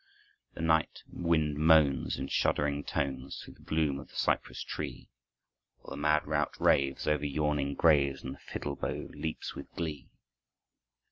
The night wind moans In shuddering tones Through the gloom of the cypress tree, While the mad rout raves Over yawning graves And the fiddle bow leaps with glee.